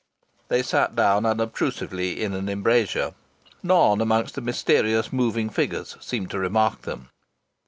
They sat down unobtrusively in an embrasure. None among the mysterious moving figures seemed to remark them.